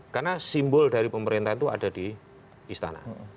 karena simbol dari pemerintahan itu ada di istana